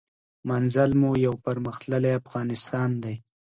منزل مو یو پرمختللی افغانستان دی.